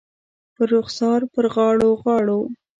پر رخسار، پر غاړو ، غاړو